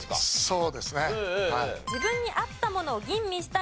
そうですねはい。